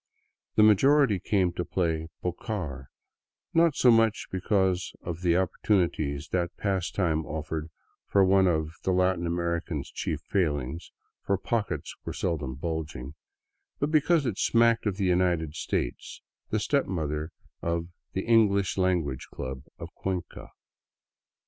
The majority came to play " pocar," not so much because of the opportunities that pastime offered for one of the Latin American's chief failings — for pockets were seldom bulging — but because it smacked of the United States, the stepmother of the " English Language Club " of Cuenca.